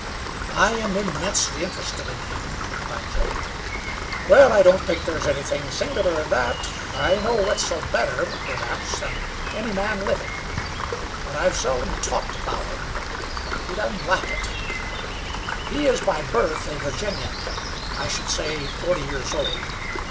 "I am immensely interested in him," replied Joe. "Well, I don't think there's anything singular in that. I know Wetzel better, perhaps, than any man living; but have seldom talked about him. He doesn't like it. He is by birth a Virginian; I should say, forty years old.